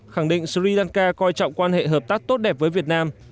khẳng định sri lanka coi trọng quan hệ hợp tác tốt đẹp với việt nam